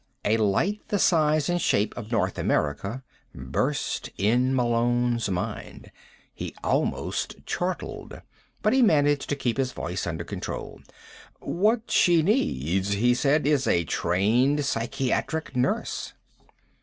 A light the size and shape of North America burst in Malone's mind. He almost chortled. But he managed to keep his voice under control. "What she needs," he said, "is a trained psychiatric nurse."